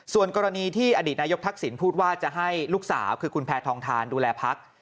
ส่วนกรณีที่อดีตนายกทักษิณพูดว่าจะให้ลูกสาวคือคุณแพทองทานดูแลพัก